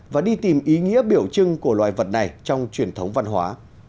và đi tìm ý nghĩa biểu trưng của loài vật này trong truyền thống văn hóa